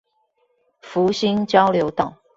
福興交流道